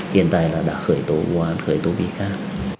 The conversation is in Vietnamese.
hiện tại là đã khởi tố vụ án khởi tố ví khác